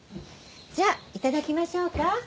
じゃいただきましょうか。